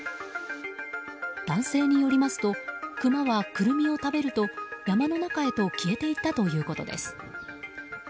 男性によりますとクマはクルミを食べると山の中へと消えていったということです。